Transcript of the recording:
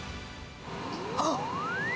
あっ！